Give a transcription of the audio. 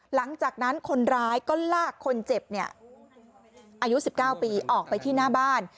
หลังจากนั้นคนร้ายก็ลากคนเจ็บอายุ๑๙ปีออกไปที่หน้าบ้าน